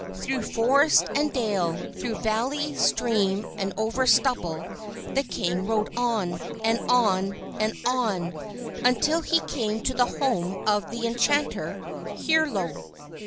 Through forest and dale, through valley, stream, and over stubble the king rode, on, and on, and on, until he came to the home of the enchanter, Herlo.